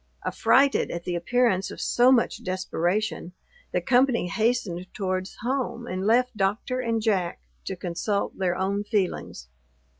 Affrighted at the appearance of so much desperation, the company hastened towards home, and left Doctor and Jack to consult their own feelings.